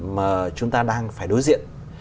mà chúng ta đang phải đối diện